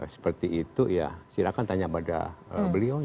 seperti itu ya silakan tanya pada beliau